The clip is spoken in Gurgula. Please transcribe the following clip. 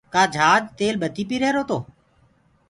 ڪآ جھآجِ تيل ٻتي پيٚريهرو تو